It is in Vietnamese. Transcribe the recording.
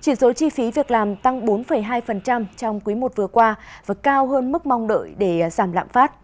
chỉ số chi phí việc làm tăng bốn hai trong quý i vừa qua và cao hơn mức mong đợi để giảm lạm phát